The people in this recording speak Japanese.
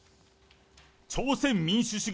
朝鮮民主主義